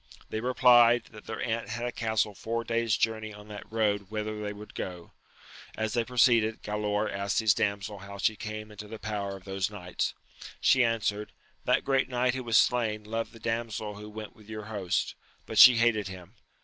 They replied, that their aunt had a castle four days journey on that road whither they would go. As they proceeded, Galaor asked his damsel how she came into the power of those knights. She answered, That great knight who was slain loved the damsel who went with your host, but she hated him.